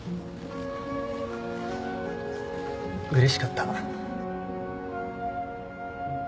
うれしかった。